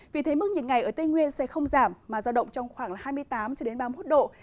vì thế mức nhiệt ngày ở tây nguyên sẽ không giảm mà ra động trong khoảng hai mươi tám cho đến ba mươi một độ